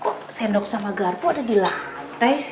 kok sendok sama garpu ada di lantai